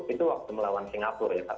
itu waktu melawan singapura ya pak